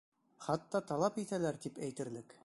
Хатта талап итәләр, тип әйтерлек.